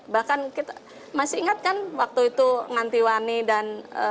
bahkan kita masih ingat kan waktu itu ngantiwani dan